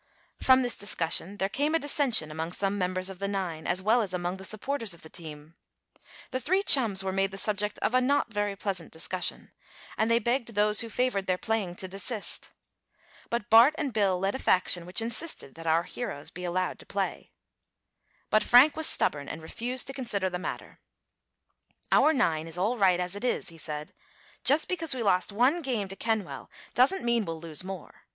From this discussion there came a dissension among some members of the nine, as well as among the supporters of the team. The three chums were made the subject of a not very pleasant discussion, and they begged those who favored their playing to desist. But Bart and Bill led a faction which insisted that our heroes be allowed to play. But Frank was stubborn and refused to consider the matter. "Our nine is all right as it is," he said. "Just because we lost one game to Kenwell doesn't mean we'll lose more.